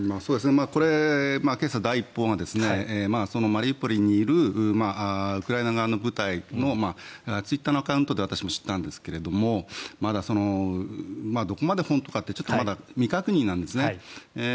これ、今朝第一報がマリウポリにいるウクライナ側の部隊のツイッターのアカウントで私も知ったんですがまだどこまで本当かって未確認なんですね。